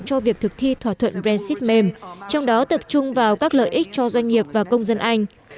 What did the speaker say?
cho việc thực thi thỏa thuận brexit mềm trong đó tập trung vào các lợi ích cho doanh nghiệp và công dân anh